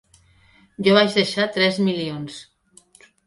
Jo vaig deixar tres milions.